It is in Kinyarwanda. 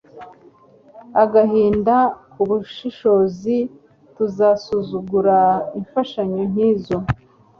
Agahinda kubushishozi ntuzasuzugura imfashanyo nkizo